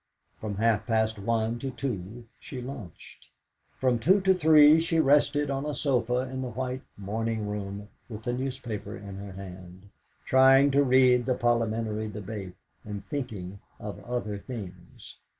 From half past one to two she lunched. From two to three she rested on a sofa in the white morning room with the newspaper in her hand, trying to read the Parliamentary debate, and thinking of other things.